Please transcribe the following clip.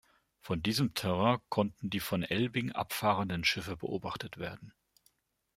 Von diesem Terrain konnten die von Elbing abfahrenden Schiffe beobachtet werden.